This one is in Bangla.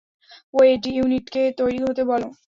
ওয়েড, ডি-ইউনিটকে তৈরি হতে বলো।